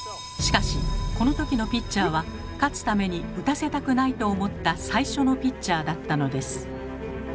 しかしこの時のピッチャーは勝つために打たせたくないと思った最初のピッチャーだったのです。